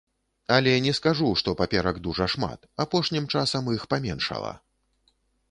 Але не скажу, што паперак дужа шмат, апошнім часам іх паменшала.